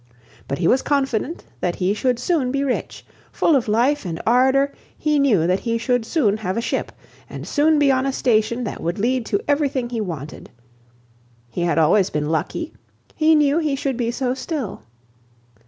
But he was confident that he should soon be rich: full of life and ardour, he knew that he should soon have a ship, and soon be on a station that would lead to everything he wanted. He had always been lucky; he knew he should be so still.